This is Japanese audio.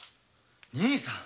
兄さん！